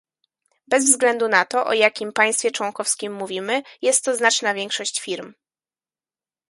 Bez względu na to, o jakim państwie członkowskim mówimy, jest to znaczna większość firm